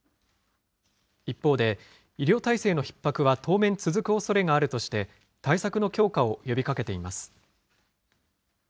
一方で、医療体制のひっ迫は当面続くおそれがあるとして、対策の強化を呼びかけています。